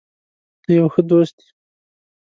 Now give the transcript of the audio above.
ته یو ښه دوست یې.